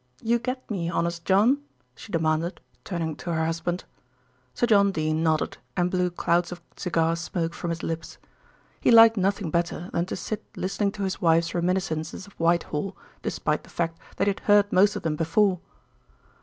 You get me, Honest John?" she demanded, turning to her husband. Sir John Dene nodded and blew clouds of cigar smoke from his lips. He liked nothing better than to sit listening to his wife's reminiscences of Whitehall, despite the fact that he had heard most of them before.